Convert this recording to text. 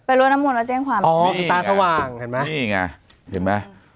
ไปรถน้ำวนแล้วแจ้งความอ๋อตาทะวางเห็นไหมนี่ไงเห็นไหม